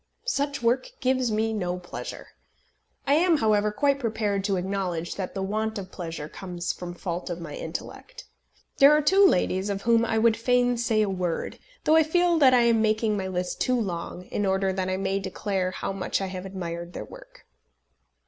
Such work gives me no pleasure. I am, however, quite prepared to acknowledge that the want of pleasure comes from fault of my intellect. There are two ladies of whom I would fain say a word, though I feel that I am making my list too long, in order that I may declare how much I have admired their work.